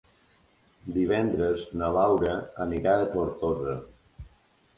Divendres na Laura anirà a Tortosa.